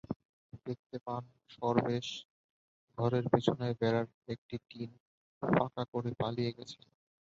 দেখতে পান সরবেশ ঘরের পেছনের বেড়ার একটি টিন ফাঁকা করে পালিয়ে যাচ্ছেন।